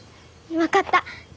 分かった。